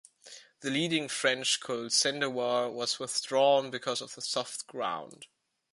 The leading French colt Sendawar was withdrawn because of the soft ground.